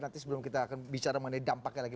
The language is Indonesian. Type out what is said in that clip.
nanti sebelum kita akan bicara mengenai dampaknya lagi